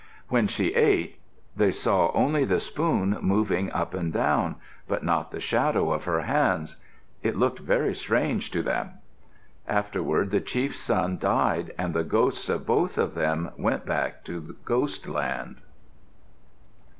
When she ate, they saw only the spoon moving up and down, but not the shadow of her hands. It looked very strange to them. Afterward the chief's son died and the ghosts of both of them went back to Ghost Land.